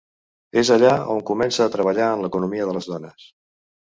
És allà on comença a treballar en l’economia de les dones.